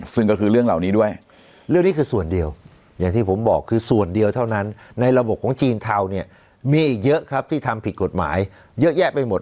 ซึ่งก็คือเรื่องเหล่านี้ด้วยเรื่องนี้คือส่วนเดียวอย่างที่ผมบอกคือส่วนเดียวเท่านั้นในระบบของจีนเทาเนี่ยมีอีกเยอะครับที่ทำผิดกฎหมายเยอะแยะไปหมด